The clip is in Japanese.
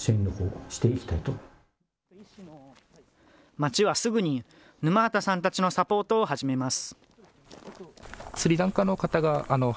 町はすぐに沼畑さんたちのサポートを始めます。